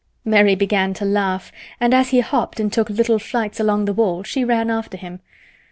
Mary began to laugh, and as he hopped and took little flights along the wall she ran after him.